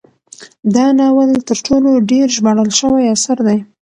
دا ناول تر ټولو ډیر ژباړل شوی اثر دی.